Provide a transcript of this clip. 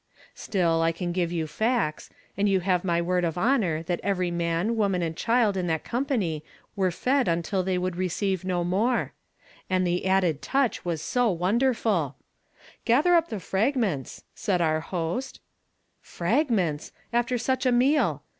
Still, I can give you facts ; and you have my word of honor that every man, woman, and child in that company were fed until they would receive no more. iVnd the added touch was so wonderful. iiil m 190 YESTERDAY FRAMED IN TO DAY. 'Gather up the fnigiuents,' said our host. Frag ments! aFter such a iiioal !